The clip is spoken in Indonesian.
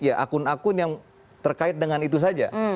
ya akun akun yang terkait dengan itu saja